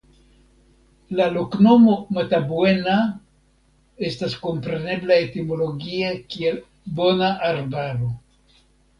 La loknomo "Matabuena" estas komprenebla etimologie kiel Bona Arbaro.